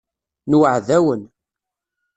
Nweεεed-awen.